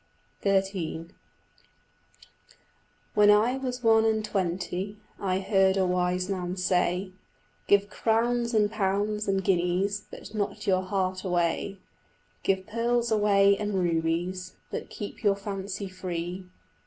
XIII When I was one and twenty I heard a wise man say, "Give crowns and pounds and guineas But not your heart away; Give pearls away and rubies But keep your fancy free."